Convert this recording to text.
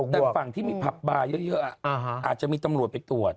แต่ฝั่งที่มีผับบาร์เยอะอาจจะมีตำรวจไปตรวจ